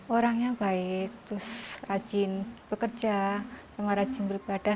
orangnya baik rajin bekerja rajin beribadah